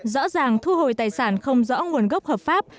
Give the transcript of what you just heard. rõ ràng thu hồi tài sản không rõ nguồn gốc hợp pháp